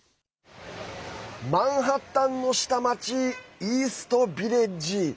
マンハッタンの下町イースト・ビレッジ。